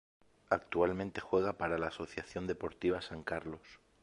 Actualmente juega para la Asociación Deportiva San Carlos.